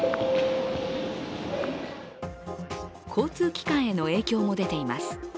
交通機関への影響も出ています。